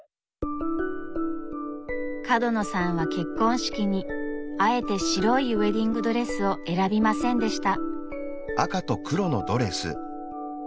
角野さんは結婚式にあえて白いウエディングドレスを選びませんでした。